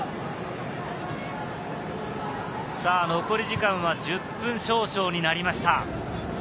残り時間は１０分少々になりました。